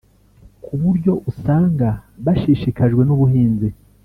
ku buryo usanga bashishikajwe n’ubuhinzi